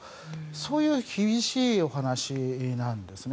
そういう厳しいお話なんですね。